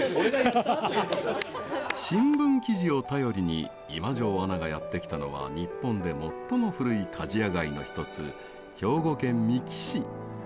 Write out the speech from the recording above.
新聞記事を頼りに今城アナがやってきたのは日本で最も古い鍛冶屋街の一つ兵庫県三木市。